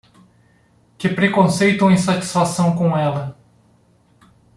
Que preconceito ou insatisfação com ela